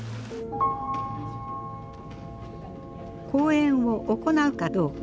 公演を行うかどうか。